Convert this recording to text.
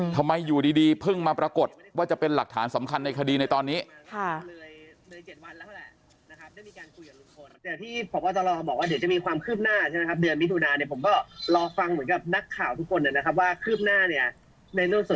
อยู่ดีเพิ่งมาปรากฏว่าจะเป็นหลักฐานสำคัญในคดีในตอนนี้